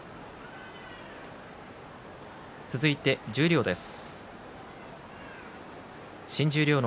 続いて十両です。